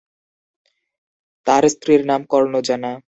তার স্ত্রীর নাম কর্ণজানা।